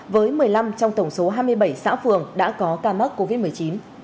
với một mươi năm trong tổng số hai mươi bảy xã phường đã có ca mắc covid một mươi chín